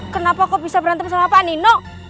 kenapa kok bisa berantem sama pak nino